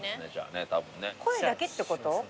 声だけってこと？